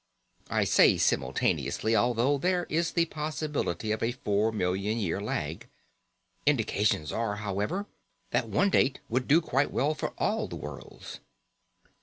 I say simultaneously although there is the possibility of a four million year lag: indications are, however, that one date would do quite well for all the worlds.